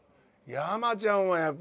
山ちゃんはやっぱね。